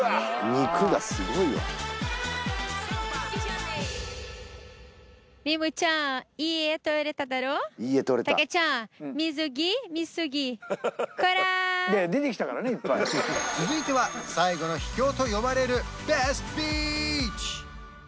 肉がすごいわ続いては最後の秘境と呼ばれるベストビーチ！